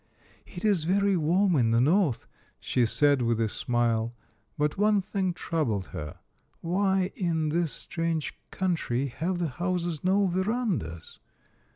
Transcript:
" It is very warm in the North," she said with a smile. But one thing troubled her. Why in this, strange country have the houses no verandas?